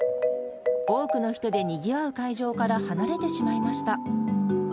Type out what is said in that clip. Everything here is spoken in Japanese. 多くの人でにぎわう会場から離れてしまいました。